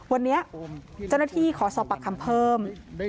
วันนี้เจ้าหน้าที่ขอสอบปากคำเพิ่ม